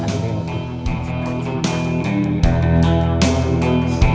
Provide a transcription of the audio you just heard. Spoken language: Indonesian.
tadi dia nunggu